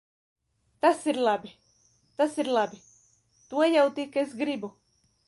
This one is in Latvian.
Tas ir labi! Tas ir labi! To jau tik es gribu.